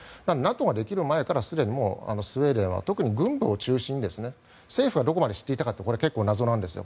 ＮＡＴＯができる前からすでにスウェーデンは特に軍部を中心に政府はどこまで知っていたかは結構謎なんです。